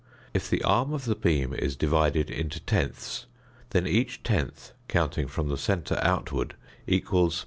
If the arm of the beam is divided into tenths, then each tenth counting from the centre outward equals 0.